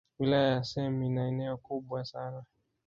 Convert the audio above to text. Wilaya ya same ina eneo kubwa sana